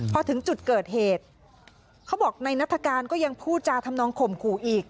พอถึงจุดเกิดเหตุเขาบอกในนัฐกาลก็ยังพูดจาทำนองข่มขู่อีก